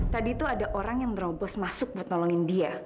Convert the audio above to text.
tadi tuh ada orang yang terobos masuk buat nolongin dia